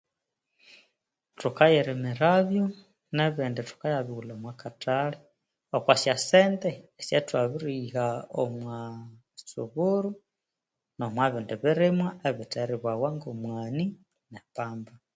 Thukayirimirabyo, nebindi thukayabighulha omwa Kathali, okwa syosente esyathwabiriha omwa suburu, nomo bindi birimwa ebitheribawa ngo mwani, ne pamba.